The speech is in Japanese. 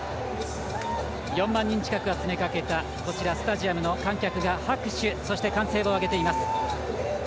４万人近くが詰めかけたこの会場の観客が拍手、そして歓声を上げています。